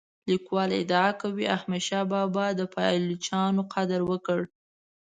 لیکوال ادعا کوي احمد شاه بابا د پایلوچانو قدر وکړ.